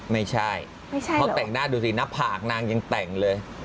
ไม่ใช่เพราะแต่งหน้าดูสิหน้าผากนางยังแต่งเลย